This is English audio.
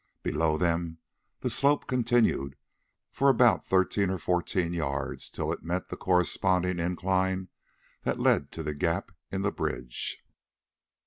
Below them the slope continued for about thirteen or fourteen yards, till it met the corresponding incline that led to the gap in the bridge.